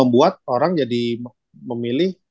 buat orang jadi memilih